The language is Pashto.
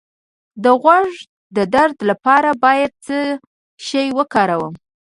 د غوږ د درد لپاره باید څه شی وکاروم؟